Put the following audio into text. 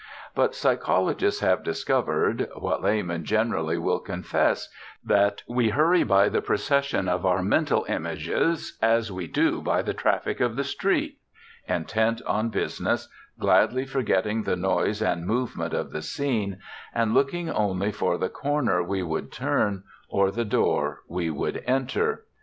But psychologists have discovered, what laymen generally will confess, that we hurry by the procession of our mental images as we do by the traffic of the street, intent on business, gladly forgetting the noise and movement of the scene, and looking only for the corner we would turn or the door we would enter.